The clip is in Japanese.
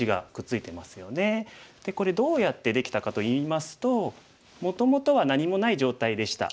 これどうやってできたかといいますともともとは何もない状態でした。